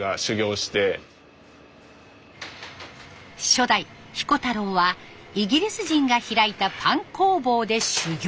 初代彦太郎はイギリス人が開いたパン工房で修業。